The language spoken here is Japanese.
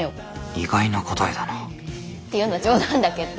意外な答えだなっていうのは冗談だけど。